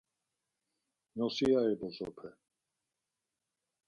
Nosiyari bozope...